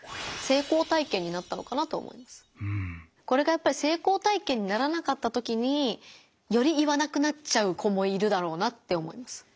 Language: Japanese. これがやっぱり成功体験にならなかったときにより言わなくなっちゃう子もいるだろうなって思います。